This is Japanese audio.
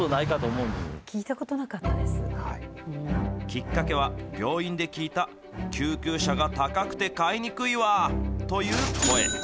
きっかけは、病院で聞いた救急車が高くて買いにくいわという声。